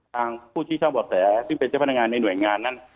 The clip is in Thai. ทางผู้ที่เช่าบ่อแสซึ่งเป็นเจ้าพนักงานในหน่วยงานนั้น